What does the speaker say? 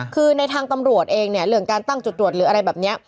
คือในทางตำรวจเองเนี่ยเรื่องการตั้งจุดตรวจหรืออะไรแบบนี้